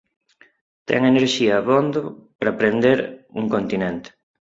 Ten enerxía abondo para prender un continente